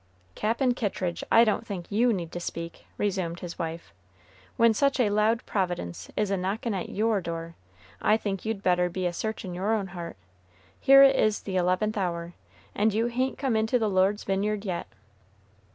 "Cap'n Kittridge, I don't think you need to speak," resumed his wife. "When such a loud providence is a knockin' at your door, I think you'd better be a searchin' your own heart, here it is the eleventh hour, and you hain't come into the Lord's vineyard yet."